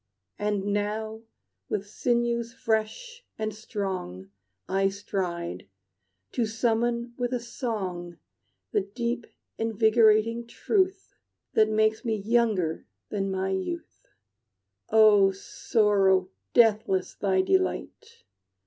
And now with sinews fresh and strong I stride, to summon with a song The deep, invigorating truth That makes me younger than my youth. "O Sorrow, deathless thy delight!